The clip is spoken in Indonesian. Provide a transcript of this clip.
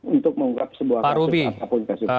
untuk mengungkap sebuah kasus